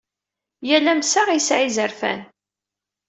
Yal amsaɣ yesɛa izerfan.